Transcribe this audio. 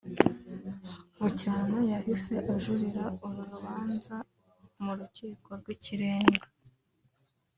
Bucyana yahise ajuririra uru rubanza mu Rukiko rw’Ikirenga